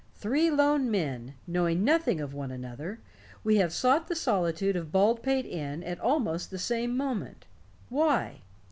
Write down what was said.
Three lone men, knowing nothing of one another, we have sought the solitude of Baldpate Inn at almost the same moment. Why?